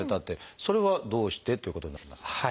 それはどうしてということになりますか？